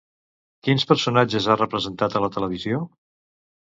Quins personatges ha representat a la televisió?